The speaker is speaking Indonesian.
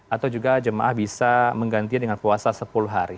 atau juga jemaah bisa mengganti dengan puasa sepuluh hari